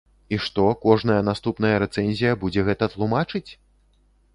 І што, кожная наступная рэцэнзія будзе гэта тлумачыць?